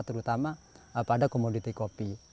terutama pada komoditi kopi